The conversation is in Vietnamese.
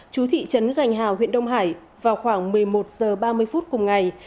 chú thị trấn gành hào huyện đông hải vào khoảng một mươi một h ba mươi phút cùng ngày